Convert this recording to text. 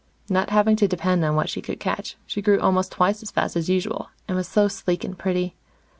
Not having to depend on what she could catch, she grew almost twice as fast as usual, and was so sleek and pretty.